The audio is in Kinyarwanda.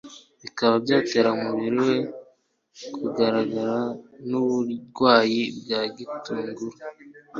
bikaba byatera umubiri we kugagara nuburwayi bwa gitunguro